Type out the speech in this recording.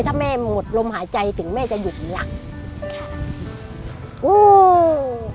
ถ้าแม่หมดลมหายใจถึงแม่จะหยุดหลักค่ะโอ้